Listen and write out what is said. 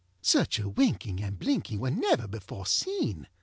Such a winking and blinking were never before seen.